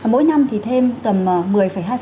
mỗi năm thì thêm tầm một mươi hai